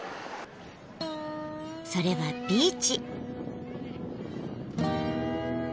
それはビーチ。